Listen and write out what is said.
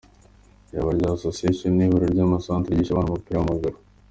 Ijabo ryawe Association, ni ihuriro ry’ama centres yigisha abana umupira w'amaguru.